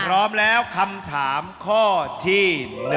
พร้อมแล้วคำถามข้อที่๑